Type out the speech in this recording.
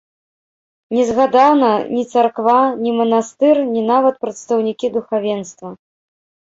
Не згадана ні царква, ні манастыр, ні нават прадстаўнікі духавенства.